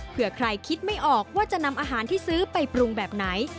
เพื่อใครคิดไม่ออกว่าจะนำอาหารที่ซื้อไปปรุงแบบไหน